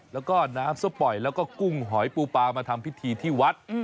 แล้วก็น้ำส้มปล่อยแล้วก็กุ้งหอยปูปลามาทำพิธีที่วัด